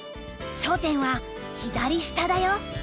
焦点は左下だよ。